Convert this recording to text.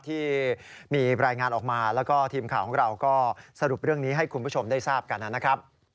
ที่มีรายงานออกมาแล้วก็ทีมข่าวของเราก็สรุปเรื่องนี้ให้คุณผู้ชมได้ทราบกันนะครับ